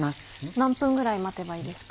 何分ぐらい待てばいいですか？